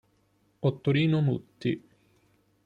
Ottorino Mutti.